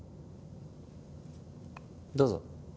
どうぞ。